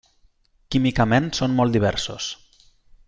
Químicament són molt diversos.